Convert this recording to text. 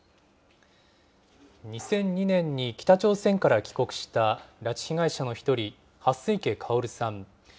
２００２年に北朝鮮から帰国した拉致被害者の１人、蓮池薫さん。